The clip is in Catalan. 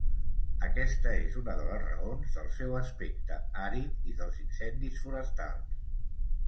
Aquesta és una de les raons del seu aspecte àrid i dels incendis forestals.